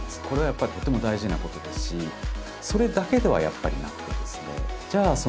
これはやっぱりとても大事なことですしそれだけではやっぱりなくてですねじゃあ